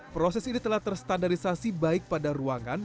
proses ini telah terstandarisasi baik pada ruangan